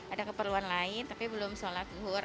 ada keperluan lain tapi belum sholat luhur